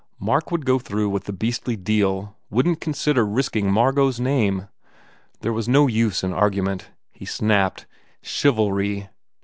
Mark would go through with the beastly deal, wouldn t consider risking Margot s name. There was no use in argument. He snapped, "Chivalry!"